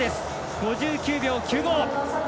５９秒９５。